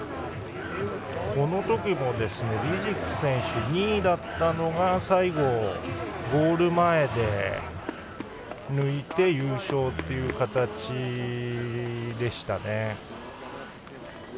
このときもリジク選手、２位だったのが最後ゴール前で抜いて優勝という形でしたね。